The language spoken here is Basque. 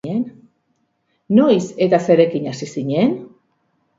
Noiz eta zerekin hasi zinen?